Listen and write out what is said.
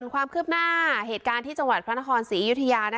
ความคืบหน้าเหตุการณ์ที่จังหวัดพระนครศรีอยุธยา